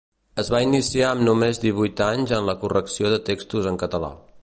Es va iniciar amb només divuit anys en la correcció de textos en català.